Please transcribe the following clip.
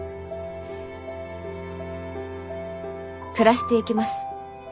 暮らしていきます。